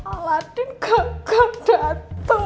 aladin gak dateng